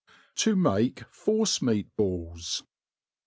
To male Force meat Balls.